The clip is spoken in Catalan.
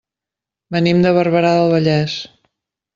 Venim de Barberà del Vallès.